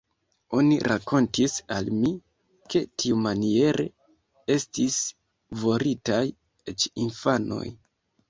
Oni rakontis al mi, ke tiumaniere estis voritaj eĉ infanoj.